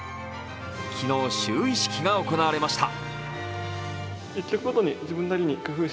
昨日、就位式が行われました。